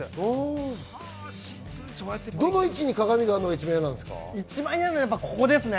どの位置に鏡があるのが一番嫌なんですか？